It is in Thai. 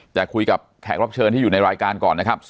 แต่คุยกับแขกรับเชิญที่อยู่ในรายการก่อนนะครับ